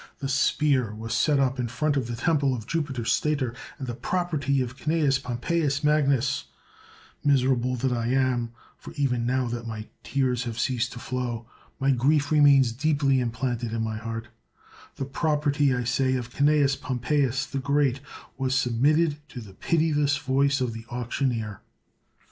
The spear was set up in front of the temple of Jupiter Stator, and the property of Cnaeus Pompeius Magnus — (miserable that I am, for even now that my tears have ceased to flow, my grief remains deeply implanted in my heart) — the property, I say, of Cnaeus Pompeius 18S CICERO the Great was submitted to the pitiless voice of the auctioneer.